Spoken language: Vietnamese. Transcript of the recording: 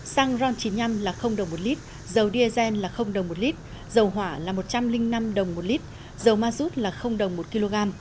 xăng ron chín mươi năm là đồng một lít dầu diesel là đồng một lít dầu hỏa là một trăm linh năm đồng một lít dầu ma rút là đồng một kg